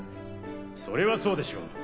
それはそうでしょう。